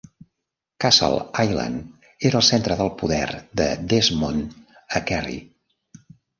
Castleisland era el centre del poder de Desmond a Kerry.